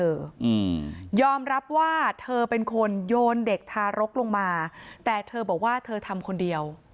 อืมยอมรับว่าเธอเป็นคนโยนเด็กทารกลงมาแต่เธอบอกว่าเธอทำคนเดียว